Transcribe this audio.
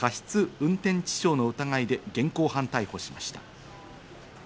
運転致傷の疑いで現行犯逮捕しました。